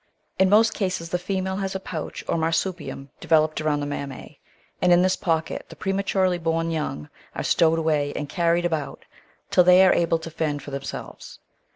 In most cases the female has a pouch or marsupium developed around the mammae, and in this pocket the prematurely bom young are stowed away and carried about till they are able to fend for themselves.